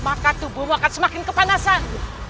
maka tubuhmu akan semakin kepanasan